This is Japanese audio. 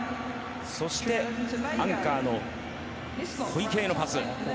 そしてアンカーの小池のパス。